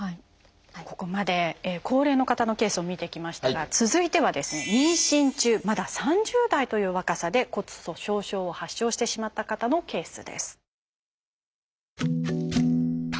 ここまで高齢の方のケースを見てきましたが続いてはですね妊娠中まだ３０代という若さで骨粗しょう症を発症してしまった方のケースです。